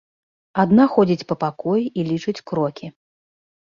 Адна ходзіць па пакоі і лічыць крокі.